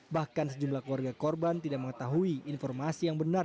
bahkan sejumlah keluarga korban tidak mengetahui informasi yang benar